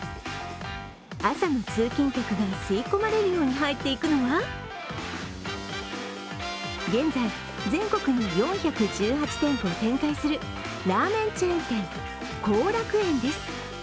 朝の通勤客が吸い込まれるように入っていくのは現在、全国に４１８店舗を展開するラーメンチェーン店、幸楽苑です。